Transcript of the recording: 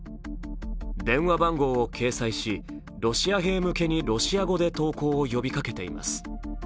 電話番号を掲載しロシア兵向けに投降を呼びかけています。